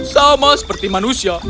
sama seperti manusia